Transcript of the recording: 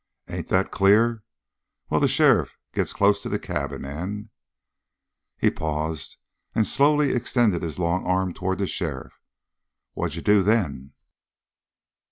Ain't that clear? Well, the sheriff gets close to the cabin and " He paused and slowly extended his long arm toward the sheriff. "What'd you do then?"